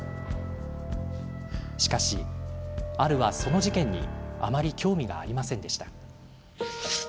しかし、アルはその事件にあまり興味がありませんでした。